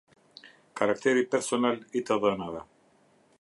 Karakteri personal i të dhënave.